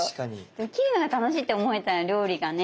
でも切るのが楽しいって思えたら料理がね